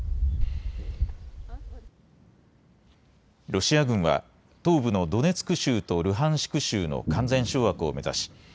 ロシア軍は東部のドネツク州とルハンシク州の完全掌握を目指し